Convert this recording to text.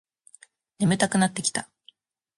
眠たくなってきた